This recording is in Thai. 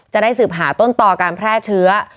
จะได้สืบหาต้นต่อการแพร่เชื้อ